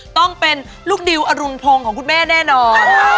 ต้องเป็นลูกดิวอรุณพงศ์ของคุณแม่แน่นอน